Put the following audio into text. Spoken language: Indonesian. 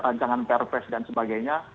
rancangan perfes dan sebagainya